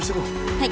はい。